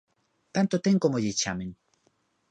Tanto ten como lle chamen.